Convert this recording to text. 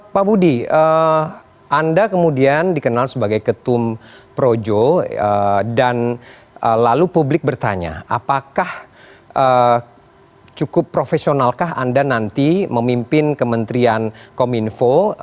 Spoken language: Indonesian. pak budi anda kemudian dikenal sebagai ketum projo dan lalu publik bertanya apakah cukup profesionalkah anda nanti memimpin kementerian kominfo